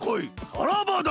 さらばだ！